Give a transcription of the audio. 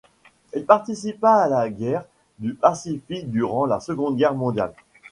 Il participa à la guerre du Pacifique durant la Seconde Guerre mondiale.